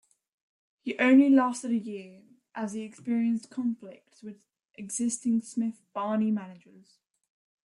He only lasted a year, as he experienced conflicts with existing Smith Barney managers.